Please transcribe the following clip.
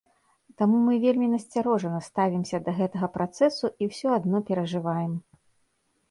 Таму мы вельмі насцярожана ставімся да гэтага працэсу і ўсё адно перажываем.